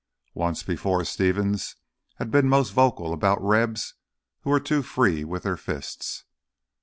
Once before Stevens had been most vocal about Rebs who were too free with their fists.